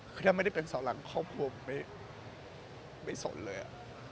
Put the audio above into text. คือถ้าไม่ได้เป็นเสาหลังครอบครัวผมไม่สนเลย